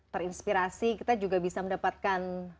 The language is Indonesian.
terinspirasi kita juga bisa mendapatkan